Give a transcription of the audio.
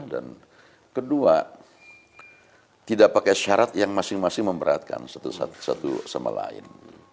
dan kedua tidak pakai syarat yang masing masing memberatkan satu sama lain